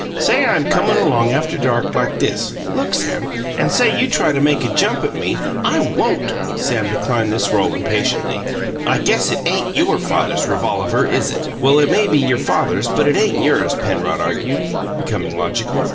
"Say I'm comin' along after dark like this look, Sam! And say you try to make a jump at me " "I won't!" Sam declined this role impatiently. "I guess it ain't YOUR father's revolaver, is it?" "Well, it may be your father's but it ain't yours," Penrod argued, becoming logical.